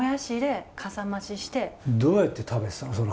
どうやって食べてたの？